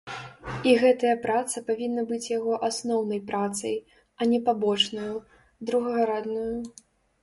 І гэтая праца павінна быць яго асноўнай працай, а не пабочнаю, другараднаю.